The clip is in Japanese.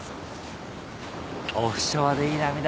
オフショアでいい波だ。